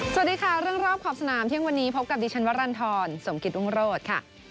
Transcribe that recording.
สวัสดีค่ะเรื่องรอบขอบสนามเที่ยงวันนี้พบกับดิฉันวรรณฑรสมกิตรุงโรธค่ะ